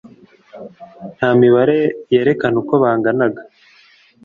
nta mibare yerekana uko banganaga.